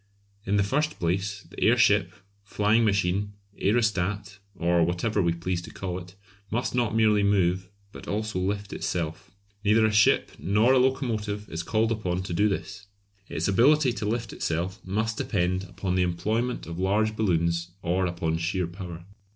In the first place, the airship, flying machine, aerostat, or whatever we please to call it, must not merely move, but also lift itself. Neither a ship nor a locomotive is called upon to do this. Its ability to lift itself must depend upon either the employment of large balloons or upon sheer power.